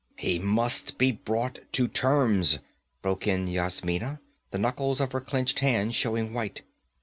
'He must be brought to terms!' broke in Yasmina, the knuckles of her clenched hands showing white.